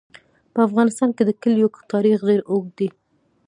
په افغانستان کې د کلیو تاریخ ډېر اوږد دی.